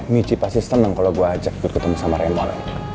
michi pasti seneng kalau gue ajak gue ketemu sama remon